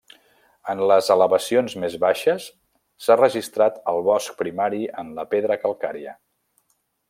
En les elevacions més baixes s'ha registrat al bosc primari en la pedra calcària.